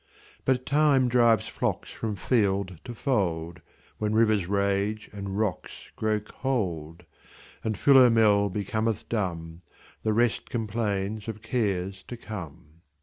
But Time drives flocks from field to fold; When rivers rage and rocks grow cold; And Philomel becometh dumb; The rest complains of cares to come.